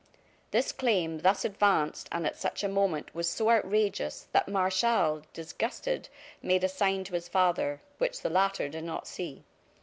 This claim, thus advanced and at such a moment, was so outrageous, that Martial, disgusted, made a sign to his father, which the latter did not see.